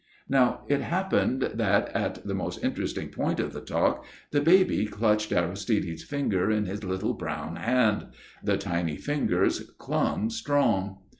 Now it happened that, at the most interesting point of the talk, the baby clutched Aristide's finger in his little brown hand. The tiny fingers clung strong.